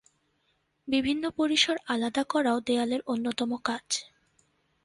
বিভিন্ন পরিসর আলাদা করাও দেয়ালের অন্যতম কাজ।